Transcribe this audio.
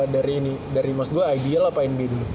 dari ini dari mas gue ibl apa nba dulu